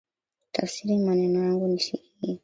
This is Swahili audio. Tafsiri maneno yangu nisikie